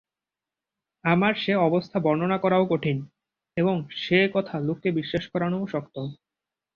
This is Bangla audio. আমার সে অবস্থা বর্ণনা করাও কঠিন এবং সে কথা লোককে বিশ্বাস করানোও শক্ত।